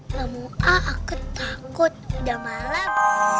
namun aku takut udah malam